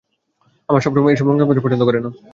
আমার সবসময় এসব রং তামাশা পছন্দ না।